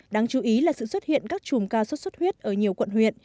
đáng chú ý là sự xuất hiện các chùm ca sốt xuất huyết ở nhiều quận huyện